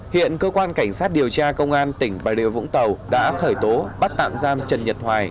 hiện cơ quan cảnh sát điều tra công an tỉnh bà điều vũng tàu đã khởi tố bắt tạm giam trần nhật hoài